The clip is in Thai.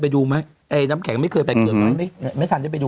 ไหนมาดูไหมน้ำแข็งไม่เคยใบเกลือไหมไม่ทันจะไปดู